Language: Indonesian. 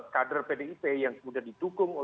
kader pdip yang kemudian didukung